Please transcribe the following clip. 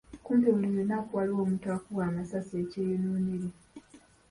Kumpi buli lunaku waliwo omuntu akubwa amasasi ekyeyonoonere.